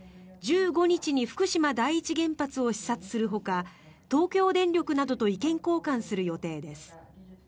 １５日に福島第一原発を視察するほか東京電力などと意見交換する予定です。